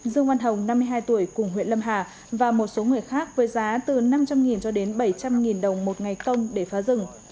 dương văn hồng năm mươi hai tuổi cùng huyện lâm hà và một số người khác với giá từ năm trăm linh cho đến bảy trăm linh đồng một ngày công để phá rừng